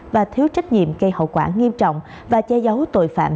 và thiếu trách nhiệm gây hậu quả nghiêm trọng và che giấu tội phạm